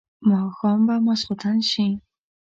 ماښام به ماخستن شي.